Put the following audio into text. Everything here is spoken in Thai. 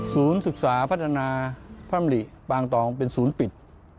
ศูนย์ศึกษาพัฒนาพรรมริปางตองเป็นศูนย์ปิด